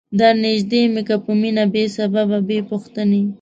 درنیژدې می که په مینه بې سببه بې پوښتنی